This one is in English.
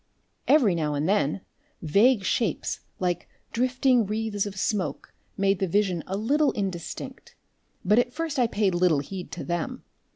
Every now and then vague shapes like drifting wreaths of smoke made the vision a little indistinct, but at first I paid little heed to them.